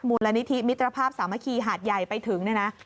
มูลนิธิมิตรภาพสามัคคีหาดใหญ่ไปถึงเนี่ยนะ